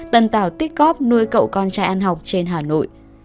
tần tảo tích góp nuôi cậu con trai ăn học trên hà nội